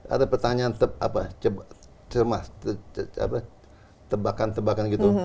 ada pertanyaan apa cermas tebakan tebakan gitu